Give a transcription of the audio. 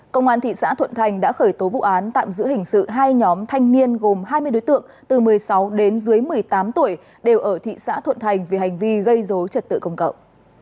công an thị xã thuận thành đã khởi tố vụ án tạm giữ hình sự hai nhóm thanh niên gồm hai mươi đối tượng từ một mươi sáu đến dưới một mươi tám tuổi đều ở thị xã thuận thành vì hành vi gây dối trật tự công cậu